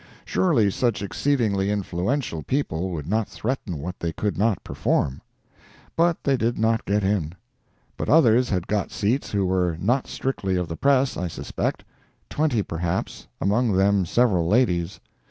[Surely such exceedingly influential people would not threaten what they could not perform.] But they did not get in. But others had got seats who were not strictly of the press, I suspect; twenty perhaps—among them several ladies.